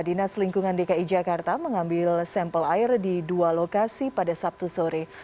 dinas lingkungan dki jakarta mengambil sampel air di dua lokasi pada sabtu sore